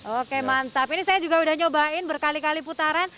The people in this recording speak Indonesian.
oke mantap ini saya juga udah nyobain berkali kali putaran